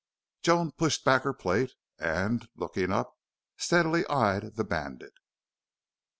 Joan pushed back her plate and, looking up, steadily eyed the bandit.